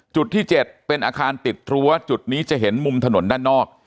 จุดที่๗เป็นอาคารติดรั้วจุดนี้จะเห็นมุมถนนด้านนอก